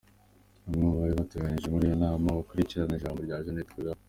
Bamwe mu bari bateraniye muri iyo nama, bakurikirana ijambo rya Jeannette Kagame